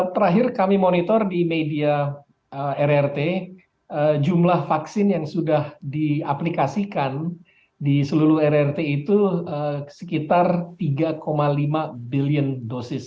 terakhir kami monitor di media rrt jumlah vaksin yang sudah diaplikasikan di seluruh rrt itu sekitar tiga lima billion dosis